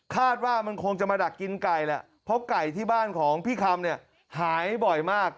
คาดว่ามันคงจะมาดักกินไก่แหละเพราะไก่ที่บ้านของพี่คำเนี่ยหายบ่อยมาก